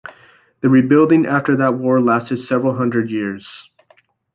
The rebuilding after that war lasted several hundred of years.